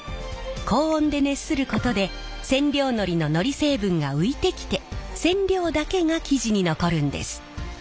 高温で熱することで染料のりののり成分が浮いてきて染料だけが生地に残るんです。